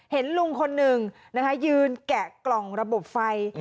เห็นลุงคนหนึ่งนะคะยืนแกะกล่องระบบไฟ